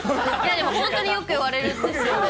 本当によく言われるんですよ